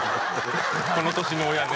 この年の親ね